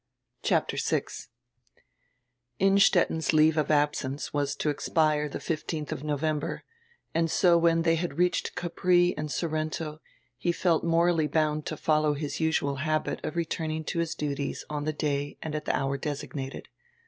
CHAPTER VI INNSTETTEN'S leave of absence was to expire die 15th of November, and so when they had reached Capri and Sor rento he felt morally bound to follow his usual habit of re turning to his duties on die day and at die hour designated.